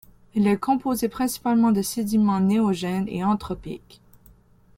Elle est composée principalement de sédiments néogènes et anthropiques.